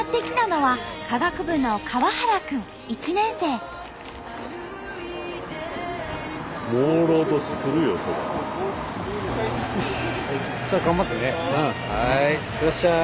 はいいってらっしゃい。